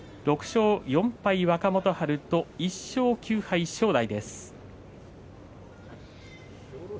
６勝４敗、若元春１勝９敗、正代です。